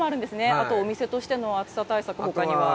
あとお店としての暑さ対策、ほかには。